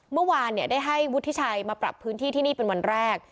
เมื่อวานได้ให้วุฒิชัยมาปรับพื้นที่ที่นี่เป็นวันแรก